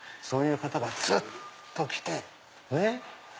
そういう方がつっと来てねっ。